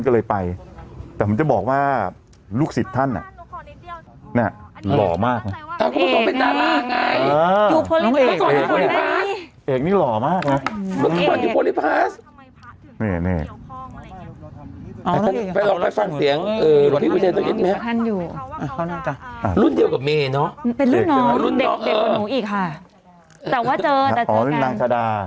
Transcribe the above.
ก็เลยไปแต่ผมจะบอกว่าลูกศิษย์ท่านอ่ะเนี่ยหรอมาก